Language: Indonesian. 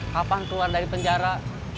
kapan keluar dari penjara